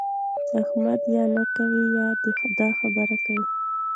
احمد یا نه کوي يا د خبره کوي.